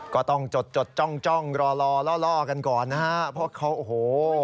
ก็ต้องจดจดจ้องจ้องรอล่อล่อกันก่อนนะฮะเพราะเขาโอ้โห